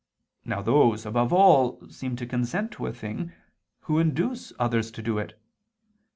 Now those, above all, seem to consent to a thing, who induce others to do it.